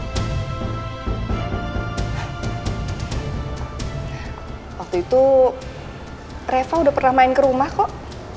waktu itu reva udah pernah main ke rumah kok